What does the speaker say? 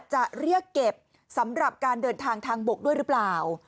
จะเรียกเก็บสำหรับการเดินทางทางบกด้วยหรือเปล่า